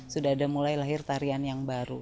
sudah ada mulai lahir tarian yang baru